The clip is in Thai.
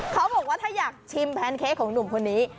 เขาบอกว่าถ้าอยากชิมแพนเค้กของหนุ่มคนนี้